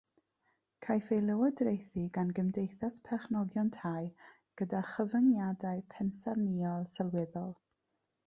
Caiff ei lywodraethu gan gymdeithas perchnogion tai gyda chyfyngiadau pensaernïol sylweddol.